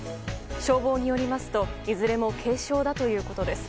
消防によりますといずれも軽傷だということです。